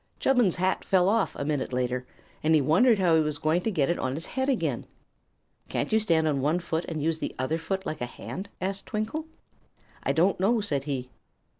Chubbins' hat fell off, a minute later, and he wondered how he was going to get it on his head again. "Can't you stand on one foot, and use the other foot like a hand?" asked Twinkle. "I don't know," said he.